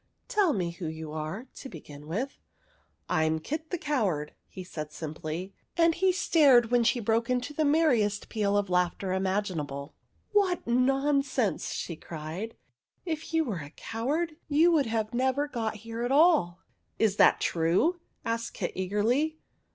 Tell me who you are, to begin with." " I am Kit the Coward," he said simply ; and he stared when she broke into the merriest peal of laughter imaginable. OF THE WILLOW HERB 17 " What nonsense !" she cried. " If you were a coward, you would never have got here at all." " Is that true ?" asked Kit eagerly.